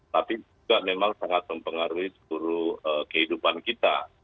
tapi juga memang sangat mempengaruhi seluruh kehidupan kita